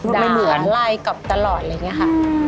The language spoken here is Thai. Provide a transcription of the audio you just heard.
ด่าไล่กลับตลอดอะไรอย่างนี้ค่ะ